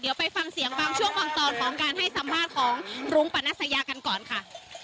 เดี๋ยวไปฟังเสียงบางช่วงบางตอนของการให้สัมภาษณ์ของรุ้งปนัสยากันก่อนค่ะ